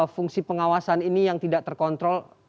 fungsi pengawasan ini yang tidak terkontrol